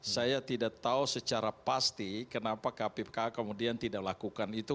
saya tidak tahu secara pasti kenapa kpk kemudian tidak lakukan itu